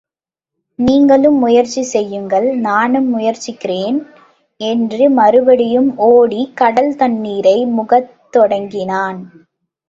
நீங்களும் முயற்சி செய்யுங்கள் நானும் முயற்சிக்கிறேன் என்று மறுபடியும் ஓடிக் கடல் தண்ணீரை முகக்கத் தொடங்கினான்.